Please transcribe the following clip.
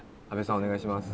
お願いします」